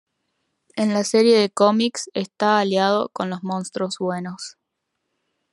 En la serie de cómics, está aliado con los monstruos buenos.